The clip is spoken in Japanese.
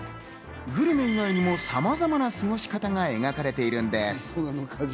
グルメ以外にもさまざまな過ごし方が描かれているんです。